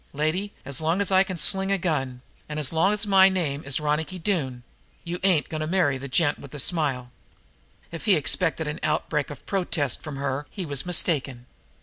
Lady, so long as I can sling a gun, and so long as my name is Ronicky Doone, you ain't going to marry the gent with the smile." If he expected an outbreak of protest from her he was mistaken.